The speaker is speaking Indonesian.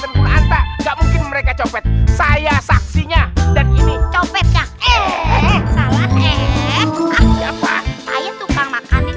dan pulang tak mungkin mereka copet saya saksinya dan ini copetnya salah eh apa saya tukang makan